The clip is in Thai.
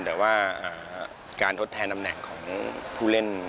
แต่ว่าการทดแทนตำแหน่งของผู้เล่น